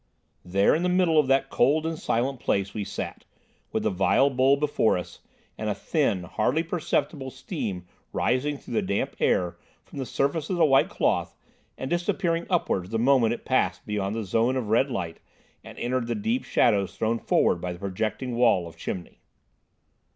There, in the middle of that cold and silent place, we sat, with the vile bowl before us, and a thin, hardly perceptible steam rising through the damp air from the surface of the white cloth and disappearing upwards the moment it passed beyond the zone of red light and entered the deep shadows thrown forward by the projecting wall of chimney.